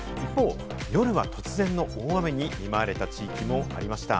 一方、夜は突然の大雨に見舞われた地域もありました。